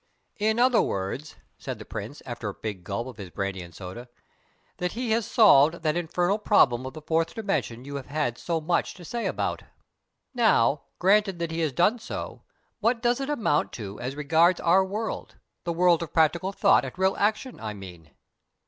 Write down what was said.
"In other words," said the Prince, after a big gulp of his brandy and soda, "that he has solved that infernal problem of the fourth dimension you have had so much to say about. Now, granted that he has done so, what does it amount to as regards our world the world of practical thought and real action, I mean?"